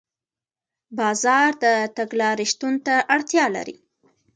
بازار د تګلارې شتون ته اړتیا لري.